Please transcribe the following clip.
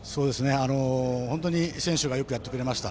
本当に選手がよくやってくれました。